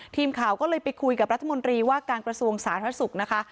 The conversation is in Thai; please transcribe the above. ทีมข่าวก็เลยไปคุยกับรัฐมนตรีว่าการกระทรวงสาธารณสุขนะคะ